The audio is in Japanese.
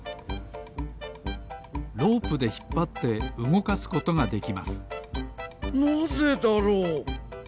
ロープでひっぱってうごかすことができますなぜだろう？